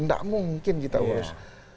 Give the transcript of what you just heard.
nggak mungkin kita urus